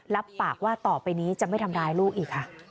รับปากว่าต่อไปนี้จะไม่ทำร้ายลูกอีกค่ะ